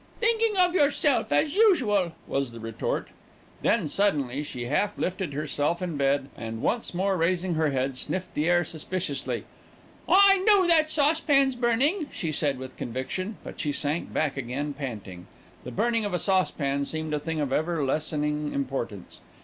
"Thinking of yourself as usual," was the retort. Then, suddenly, she half lifted herself in bed and, once more raising her head, sniffed the air suspiciously. "I know that saucepan's burning," she said with conviction; but she sank back again, panting. The burning of a saucepan seemed a thing of ever lessening importance.